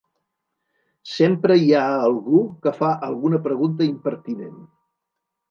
Sempre hi ha algú que fa alguna pregunta impertinent.